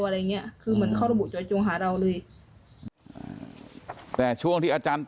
อะไรอย่างเงี้ยคือเหมือนเขาระบุจอยจงหาเราเลยแต่ช่วงที่อาจารย์